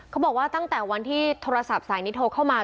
เขาบอกว่าตั้งแต่วันที่โทรศัพท์สายนี้โทรเข้ามา